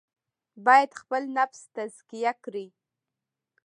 باید خپل نفس تزکیه کړي.